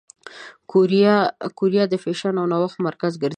کوریا د فېشن او نوښت مرکز ګرځېدلې.